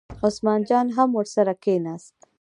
عثمان جان هم ورسره کېناست.